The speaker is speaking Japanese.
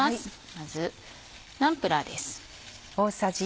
まずナンプラーです。